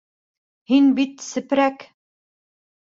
Һин бит сепрәк!